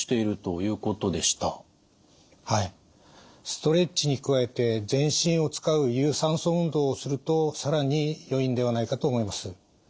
ストレッチに加えて全身を使う有酸素運動をすると更によいんではないかと思います。